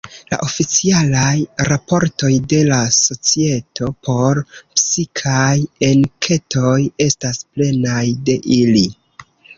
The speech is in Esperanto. La oficialaj raportoj de la Societo por Psikaj Enketoj estas plenaj de ili.